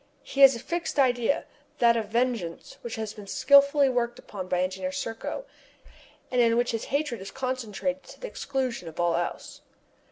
He has a fixed idea, that of vengeance, which has been skilfully worked upon by Engineer Serko, and in which his hatred is concentrated to the exclusion of everything else.